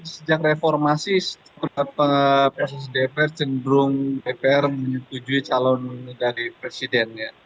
sejak reformasi proses dpr cenderung dpr menyetujui calon dari presidennya